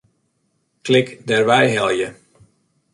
Klik Dêrwei helje.